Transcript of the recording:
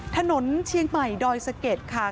ถนนเชียงใหม่ดอยสะเก็ดค่ะ